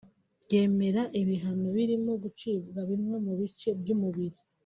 ryemera ibihano birimo gucibwa bimwe mu bice by’umubiri